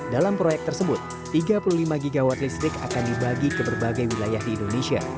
dalam proyek tersebut tiga puluh lima gw listrik akan dibagi ke berbagai wilayah di indonesia